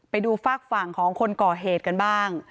ไปดูฝากฝั่งของคนก่อเหตุกันบ้าง